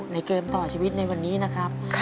เกมต่อชีวิตในวันนี้นะครับ